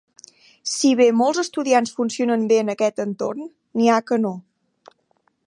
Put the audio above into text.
Si bé molts estudiants funcionen bé en aquest entorn, n'hi ha que no.